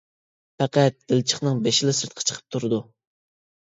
پەقەت دىلچىقنىڭ بېشىلا سىرتقا چىقىپ تۇرىدۇ.